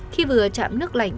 khi vừa chạm nước lạnh